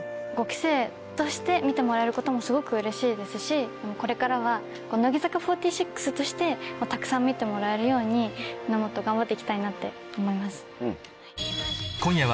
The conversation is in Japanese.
５期生として見てもらえることもすごくうれしいですしこれからは乃木坂４６としてたくさん見てもらえるようにもっと頑張って行きたいなって思います。